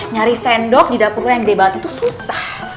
nyari sendok di dapur lo yang gede banget itu susah